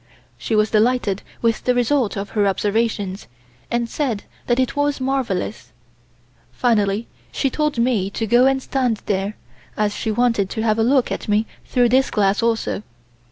She was delighted with the result of her observations, and said that it was marvellous. Finally she told me to go and stand there, as she wanted to have a look at me through this glass also.